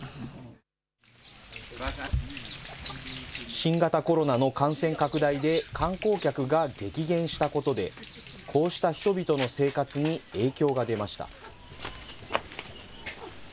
新型コロナの感染拡大で観光客が激減したことで、こうした人々の生活に影響が出ました。